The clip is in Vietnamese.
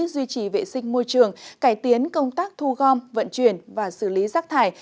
duy trì vệ sinh môi trường cải tiến công tác thu gom vận chuyển và xử lý rác thải